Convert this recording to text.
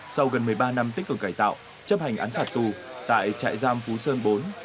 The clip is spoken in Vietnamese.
sau gần một mươi ba năm tích cực cải tạo chấp hành án phạt tù tại trại giam phú sơn bốn